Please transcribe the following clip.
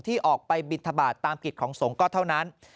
ที่ออกไปบินทบาทตามกิจของสงฆ์ก็เท่านั้น